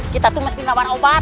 kita tuh mesti melakukan obat